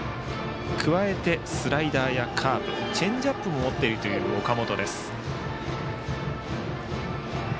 加えて、スライダーやカーブチェンジアップも持っている岡本。